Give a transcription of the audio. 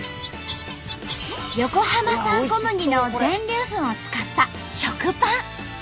横浜産小麦の全粒粉を使った食パン。